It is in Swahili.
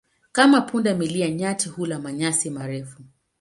Kama punda milia, nyati hula manyasi marefu.